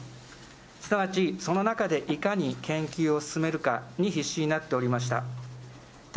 すなわち、その中でいかに研究を進めるかに必死になっておりました。